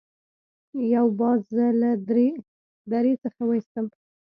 یو باز زه له درې څخه وویستم.